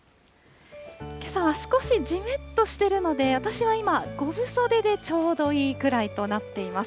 けさは少しじめっとしているので、私は今、５分袖でちょうどいいくらいとなっています。